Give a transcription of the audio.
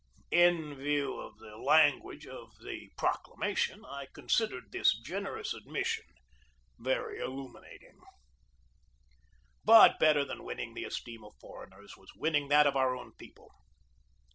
In view of the language of the proclamation, I considered this generous admission very illuminating. But better than winning the esteem of foreigners was winning that of our own people.